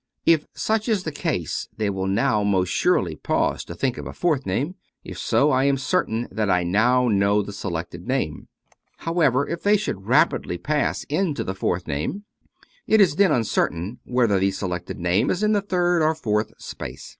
If such is the case they will now most surely pause to think of a fourth name. If so, I am certain that I now know the selected name. However, if they should rapidly pass into the fourth name, it is then uncertain whether the selected name is in the third or fourth space.